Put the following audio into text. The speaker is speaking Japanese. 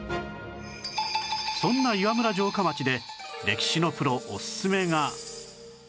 そんな岩村城下町で歴史のプロおすすめが